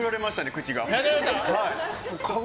口が。